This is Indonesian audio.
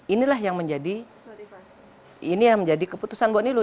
inilah yang menjadi keputusan mbak nilo